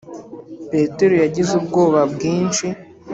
petero yagize ubwoba bwinshi;